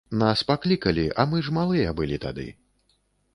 Нас паклікалі, а мы ж малыя былі тады.